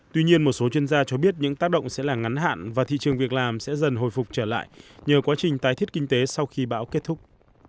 tuy nhiên một số chuyên gia cho biết những tác động sẽ là ngắn hạn và thị trường việc làm sẽ dần hồi phục trở lại nhờ quá trình tái thiết kinh tế sau khi bão kết thúc